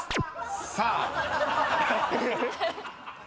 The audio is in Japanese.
［さあ］